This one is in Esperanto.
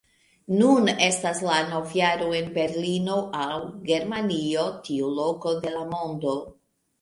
Nun estas la novjaro en Berlino, aŭ Germanio, tiu loko de la mondo